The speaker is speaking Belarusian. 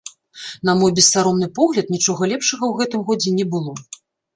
На мой бессаромны погляд, нічога лепшага ў гэтым годзе не было.